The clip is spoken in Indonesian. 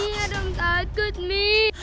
ini ada yang takut nih